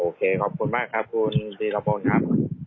โอเคขอบคุณแม่กค่ะคุณจิรพลครับ